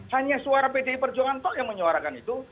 hanya suara pdi perjuang anto yang menyuarakan itu